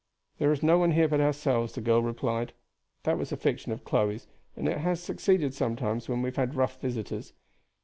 "There is no one here but ourselves," the girl replied. "That was a fiction of Chloe's, and it has succeeded sometimes when we have had rough visitors.